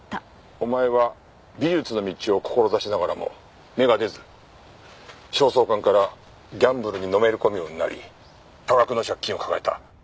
お前は美術の道を志しながらも芽が出ず焦燥感からギャンブルにのめり込むようになり多額の借金を抱えた。